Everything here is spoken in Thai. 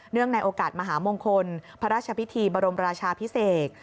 ในโอกาสมหามงคลพระราชพิธีบรมราชาพิเศษ